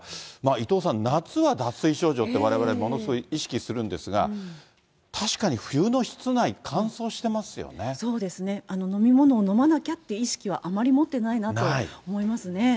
伊藤さん、夏は脱水症状ってわれわれ、ものすごい意識するんですが、確かに冬の室内、そうですね、飲み物を飲まなきゃっていう意識はあまり持ってないなと思いますね。